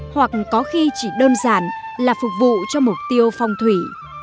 hoặc có khi chỉ đơn giản là phục vụ cho mục tiêu phong thủy